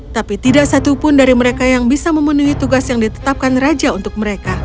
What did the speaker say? tapi tidak satupun dari mereka yang bisa memenuhi tugas yang ditetapkan raja untuk mereka